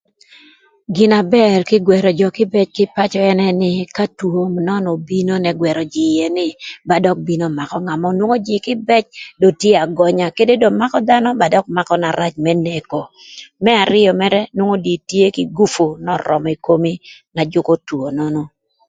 Gina bër kï ï gwërö jö kïbëc kï pacö ënë nï, ka two nön obino n'ëgwërö jïï ïë ni ba dök makö ngat mörö, nwongo jïï kïbëc do tye agönya kede do makö dhanö ba dök makö na rac më neko. Më arïö mërë nwongo do itye kï gupu n'örömö ï komi na jükö two nonu.